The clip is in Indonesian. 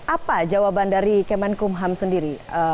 apa jawaban dari kemenkumham sendiri